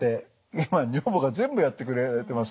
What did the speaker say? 今女房が全部やってくれてますね。